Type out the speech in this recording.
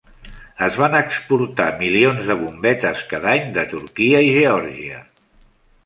Es van exportar milions de bombetes cada any, de Turquia i Georgia.